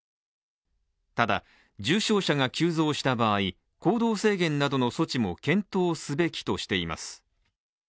ただ、重症者が急増した場合、行動制限などの措置も検討すべきとしています。